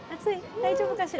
大丈夫かしら？